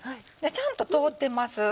ちゃんと通ってます。